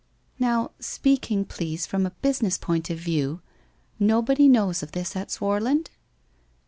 ' Now, speaking, please, from a business point of view — nobody knows of this at Swarland